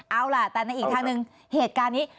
เอาล่ะแต่ในอีกทางหนึ่งเหตุการณ์นี้